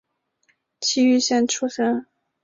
崎玉县出身。